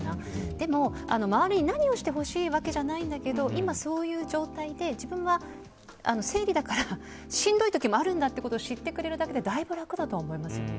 でも、周りに何をしてほしいわけじゃないんだけど今、そういう状態で自分は生理だからしんどい時もあるんだということを知ってもらえるだけでだいぶ楽だと思います。